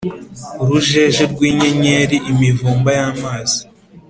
urujeje rw’inyenyeri, imivumba y’amazi